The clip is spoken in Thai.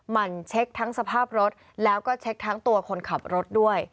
มันเช็คทั้งสภาพรถแล้วก็เช็คทั้งตัวคนขับรถด้วย